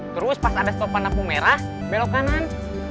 terus pas ada stopan lampu merah belok kanan